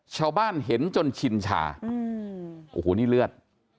ชาวบ้านเห็นจนชินชาโอ้โหนี่เลือด